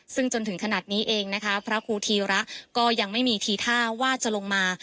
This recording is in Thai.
ซึ่งจนถึงขนาดนี้เองนะคะพระครูธีระก็ยังไม่มีทีท่าว่าจะลงมา